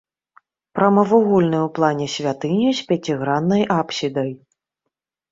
Прамавугольная ў плане святыня з пяціграннай апсідай.